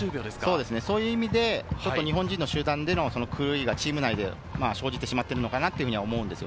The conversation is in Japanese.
そういう意味で日本人の集団での狂いがチーム内で生じてしまっているのかなと思います。